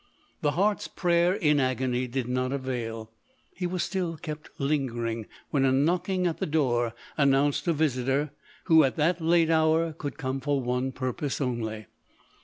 The heart's prayer in agony did not avail : he was still kept lingering, when a knocking at the door announced a visitor, who, at that late hour, could come for one purpose only.